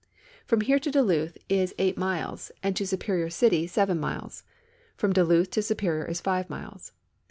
From here to Duluth is eight miles and to Superior City seven miles. From Duluth to Superior is five miles.